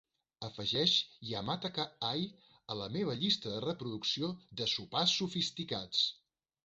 Afegeix "Yamataka Eye" a la meva llista de reproducció de sopars sofisticats